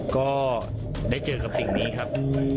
ก็ได้เจอกับสิ่งนี้ครับ